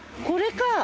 これか！